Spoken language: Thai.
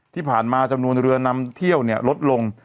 ที่ผ่านมาจำนวนเรือนำเที่ยวลดลง